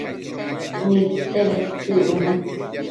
Nidte bedtsëcbono